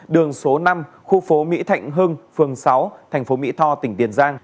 đường số năm khu phố mỹ thạnh hưng phường sáu thành phố mỹ tho tỉnh tiền giang